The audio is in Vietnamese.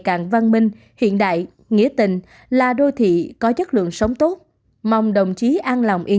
càng văn minh hiện đại nghĩa tình là đô thị có chất lượng sống tốt mong đồng chí an lòng yên